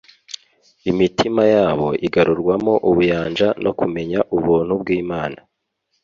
Imitima yabo igarurwamo ubuyanja no kumenya ubuntu bw'Imana